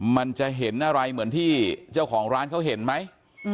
มันจะเห็นอะไรเหมือนที่เจ้าของร้านเขาเห็นไหม